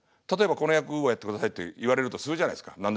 例えば「この役をやってください」って言われるとするじゃないですか。